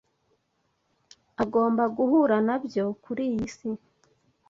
agomba guhura na byo kuri iyi si.